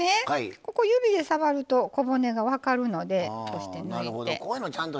ここ指で触ると小骨が分かるので抜いて。